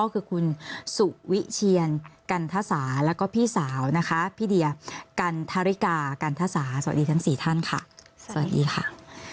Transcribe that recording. คือสุวิเชียนกัณฑาสาวแล้วก็พี่สาวนะคะพี่เดียกัณฑาสาวสวัสดีทั้งสามท่านสวัสดีข้า